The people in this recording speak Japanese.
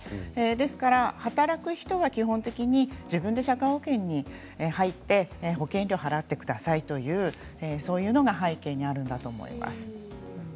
ですから働く人は基本的に自分で社会保険に入って保険料を払ってくださいというそういうのが背景にあるんだと思います。